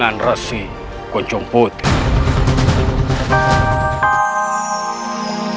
kanda akan memperve sandwiches